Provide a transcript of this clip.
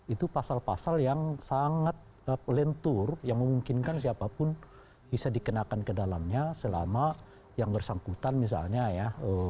itu pasal pasal yang sangat lentur yang memungkinkan siapapun bisa dikenakan ke dalamnya selama yang bersangkutan misalnya ya